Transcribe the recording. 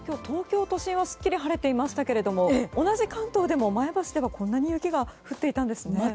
東京都心はすっきりと晴れていましたが同じ関東でも、前橋ではこんなに雪が降っていたんですね。